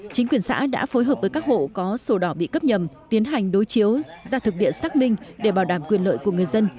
chính quyền xã đã phối hợp với các hộ có sổ đỏ bị cấp nhầm tiến hành đối chiếu ra thực địa xác minh để bảo đảm quyền lợi của người dân